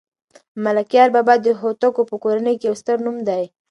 ملکیار بابا د هوتکو په کورنۍ کې یو ستر نوم دی